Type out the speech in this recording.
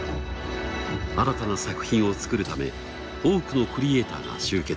新たな作品を作るため多くのクリエイターが集結。